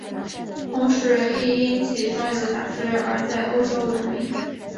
同时亦因其装有假肢而在欧洲闻名。